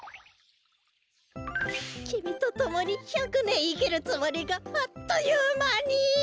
きみとともに１００ねんいきるつもりがあっというまに。